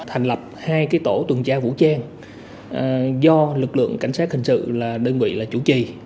thành lập hai tổ tuần tra vũ trang do lực lượng cảnh sát hình sự là đơn vị chủ trì